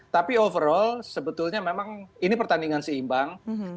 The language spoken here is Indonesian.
tapi overall sebetulnya memang ini pertandingan seimbang